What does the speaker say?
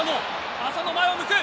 浅野、前を向く。